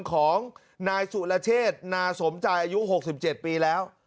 ของนายสุรเชษนาสมใจอายุ๖๗ปีแล้ว